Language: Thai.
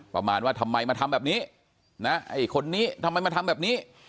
ประมาณว่าทำไมมาทำแบบนี้นะไอ้คนนี้ทำไมมาทำแบบนี้